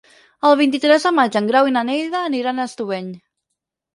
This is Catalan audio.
El vint-i-tres de maig en Grau i na Neida aniran a Estubeny.